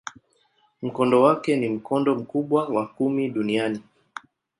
Mkondo wake ni mkondo mkubwa wa kumi duniani.